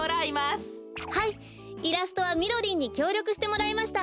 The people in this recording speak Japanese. はいイラストはみろりんにきょうりょくしてもらいました。